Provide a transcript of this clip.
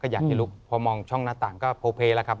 อยากจะลุกพอมองช่องหน้าต่างก็โพเพแล้วครับ